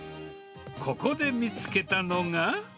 ここで見つけたのが。